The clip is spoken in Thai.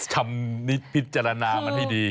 ชำนิดพิจารณามันให้ดี